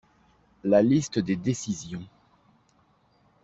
La liste des décisions.